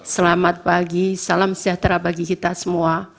selamat pagi salam sejahtera bagi kita semua